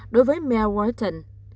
đối với mel wharton